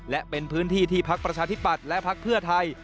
และเป็นพื้นที่ที่พักประชาธิปัตย์และพักเพื่อไทย